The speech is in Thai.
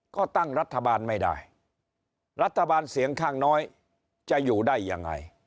ก็ตั้งรัฐบาลไม่ได้รัฐบาลเสียงข้างน้อยจะอยู่ได้ยังไง